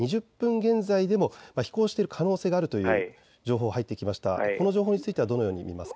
現在午前１０時２０分現在でも飛行している可能性があるという情報が入ってきました。